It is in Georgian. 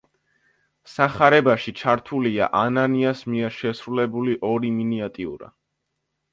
სახარებაში ჩართულია ანანიას მიერ შესრულებული ორი მინიატიურა.